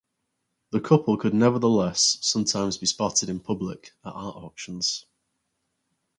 The couple could nevertheless sometimes be spotted in public at art auctions.